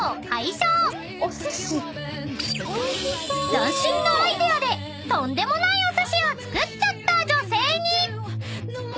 ［斬新なアイデアでとんでもないお寿司を作っちゃった女性に］